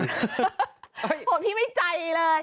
เห้ยเห้ยเห้ยเห้ยเห้ยเห้ยเห้ยพี่ไม่ใจเลย